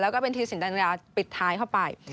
แล้วก็เป็นทีสินดันยาปิดท้ายเข้าไป